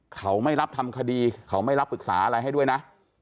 เขาไม่รับทำคดีเขาไม่รับปรึกษาอะไรให้ด้วยนะ